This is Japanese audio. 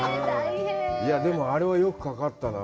でもあれはよくかかったな。